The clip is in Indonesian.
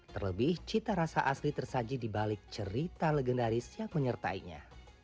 terlebih cita rasa asli tersaji dibalik cerita legendaris yang menyertainya